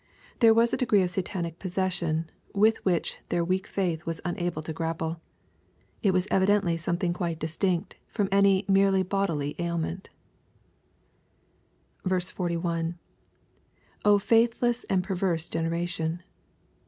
There was a degree of Satanic possession, with which their weak faith was unable to grapple. It was evidently some thing quite distinct &om any merely bodily ailment IL — [0 fa^Meh and perverse generation.